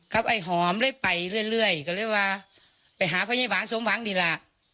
ครับไอ้หอมเลยไปเรื่อยเรื่อยก็เลยว่าไปหาเพื่อนไอ้หวังสมหวังดีล่ะ